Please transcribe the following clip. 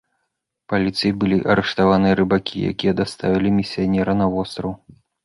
Паліцыяй былі арыштаваныя рыбакі, якія даставілі місіянера на востраў.